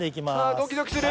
あドキドキする。